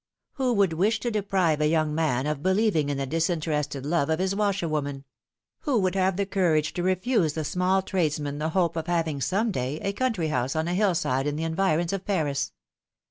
Who would wish to deprive a young man of believing in the disinterested love of his washerwoman ? who would have the courage to refuse the small tradesman the hope of having some day a country house on a hill side in the environs of Paris